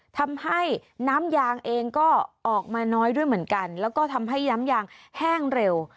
ทำให้น้ำยางเองก็ออกมาน้อยด้วยเหมือนกันแล้วก็ทำให้น้ำยางแห้งเร็ว